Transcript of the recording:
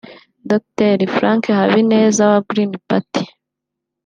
Dr Frank Habineza wa Green Party